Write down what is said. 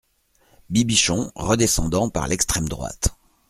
Bibichon, redescendant par l'extrême droite.